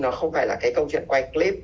nó không phải là cái câu chuyện quay clip